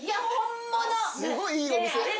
すごいいいお店で。